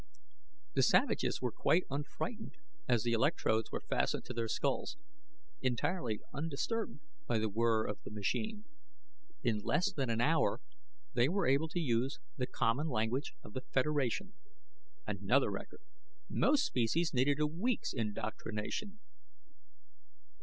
The savages were quite unfrightened as the electrodes were fastened to their skulls, entirely undisturbed by the whir of the machine. In less than an hour they were able to use the common language of the Federation. Another record; most species needed a week's indoctrination.